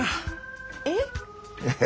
えっ？